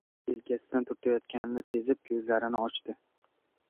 Kimdir yelkasidan turtayotganini sezib, koʻzlarini ochdi.